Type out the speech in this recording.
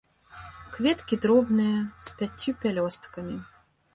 Кветкі дробныя, з пяццю пялёсткамі.